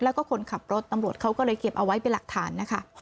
แล้วก็คนขับรถตำรวจเขาก็เลยเก็บเอาไว้เป็นหลักฐานนะคะ